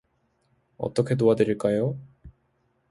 어떻게 도와드릴까요?